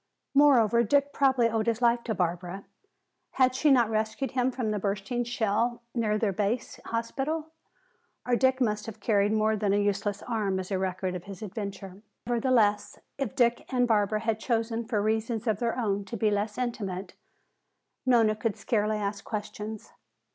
Moreover, Dick probably owed his life to Barbara. Had she not rescued him from the bursting shell near their base hospital, or Dick must have carried more than a useless arm as a record of his adventure. Nevertheless, if Dick and Barbara had chosen for reasons of their own to be less intimate, Nona could scarcely ask questions.